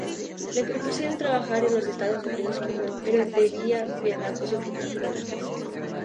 Le propusieron trabajar en los Estados Unidos, pero debía viajar por su propia cuenta.